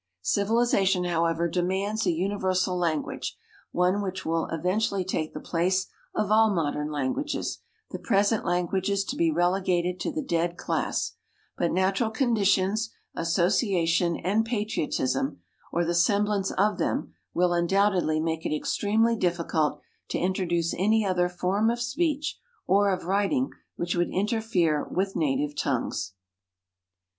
Civilization, however, demands a universal language, one which will eventually take the place of all modern languages, the present languages to be relegated to the dead class; but natural conditions, association, and patriotism, or the semblance of them, will, undoubtedly, make it extremely difficult to introduce any other form of speech, or of writing, which would interfere with native tongues.